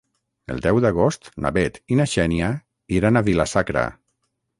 El deu d'agost na Bet i na Xènia iran a Vila-sacra.